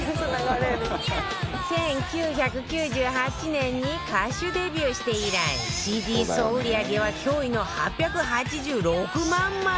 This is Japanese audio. １９９８年に歌手デビューして以来 ＣＤ 総売り上げは驚異の８８６万枚